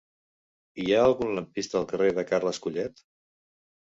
Hi ha algun lampista al carrer de Carles Collet?